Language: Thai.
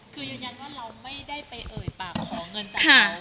คือยืนยันว่าเราไม่ได้ไปเอ่ยปากขอเงินจากเขา